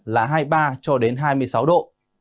là hai mươi ba cho đến hai mươi sáu độ